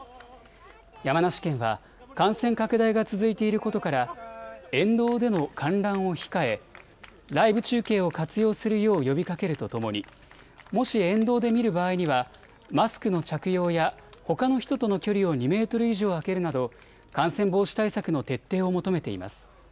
山梨県は感染拡大が続いていることから沿道での観覧を控え、ライブ中継を活用するよう呼びかけるとともにもし沿道で見る場合にはマスクの着用や、ほかの人との距離を２メートル以上空けるなど感染防止対策の徹底を求めています。